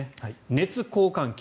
熱交換器。